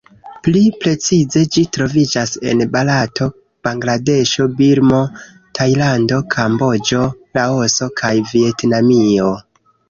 Pli precize ĝi troviĝas en Barato, Bangladeŝo, Birmo, Tajlando, Kamboĝo, Laoso kaj Vjetnamio.